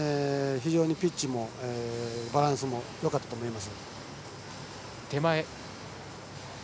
非常にピッチもバランスもよかったと思います。